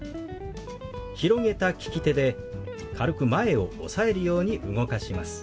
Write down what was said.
広げた利き手で軽く前を押さえるように動かします。